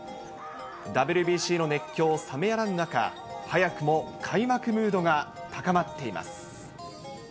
ＷＢＣの熱狂冷めやらぬ中、早くも開幕ムードが高まっています。